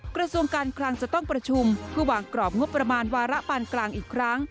กระทรวงการคลังจะต้องประชุมเพื่อวางกรอบงบประมาณวาระปานกลางอีกครั้ง